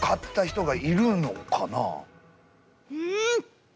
うん！